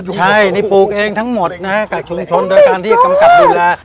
ใช่ต้องที่ปลูกเองทั้งหมดกับชุมชนโดยการที่จะกำกัดดูแล